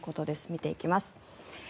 見ていきます。